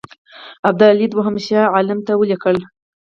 ابدالي دوهم شاه عالم ته ولیکل.